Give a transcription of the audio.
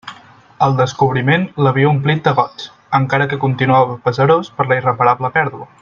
El descobriment l'havia omplit de goig, encara que continuava pesarós per la irreparable pèrdua.